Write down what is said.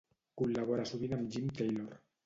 Col·labora sovint amb Jim Taylor.